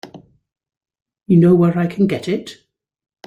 You know where I can get it?